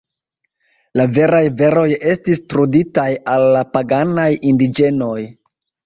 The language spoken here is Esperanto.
La veraj veroj estis truditaj al la paganaj indiĝenoj.